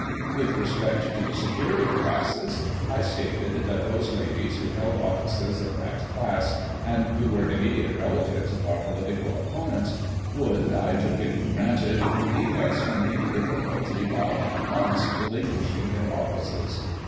With respect to the superior classes, I stated, that those Ladies who held offices of that class> and who were immediate relatives of our political opponents, would, I took it for granted, relieve us from any difficulty by, at once, relinquishing their offices.